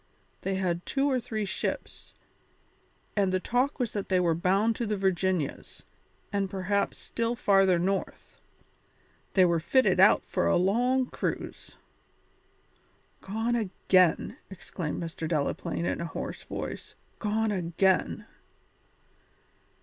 They had two or three ships, and the talk was that they were bound to the Virginias, and perhaps still farther north. They were fitted out for a long cruise." "Gone again!" exclaimed Mr. Delaplaine in a hoarse voice. "Gone again!"